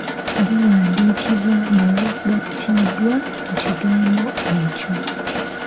Buwandiikibwa nga bugattiddwa ku kigambo ekyo.